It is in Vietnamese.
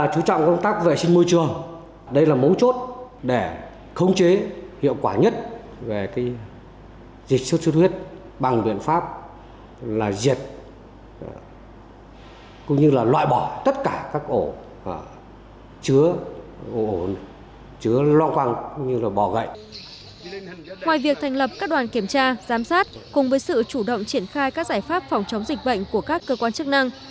cùng với sự chủ động triển khai các giải pháp phòng chống dịch bệnh của các cơ quan chức năng